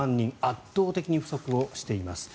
圧倒的に不足しています。